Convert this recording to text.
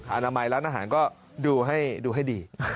อาณาไมร้านอาหารก็ดูให้ดี